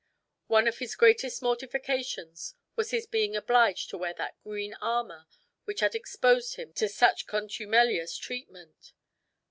One of his greatest mortifications was his being obliged to wear that green armor which had exposed him to such contumelious treatment.